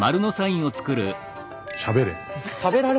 しゃべれ。